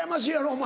お前。